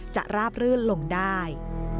ราบรื่นลงได้